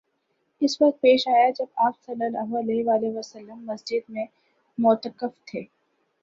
اس وقت پیش آیا جب آپ صلی اللہ علیہ وسلم مسجد میں معتکف تھے